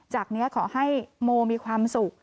จากนี้ขอให้โมมีความสุข